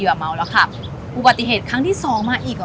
อุปีธภาลที่ทั้งที่ดีกว่าผมหมายหวัชออก